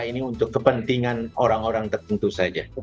ini untuk kepentingan orang orang tertentu saja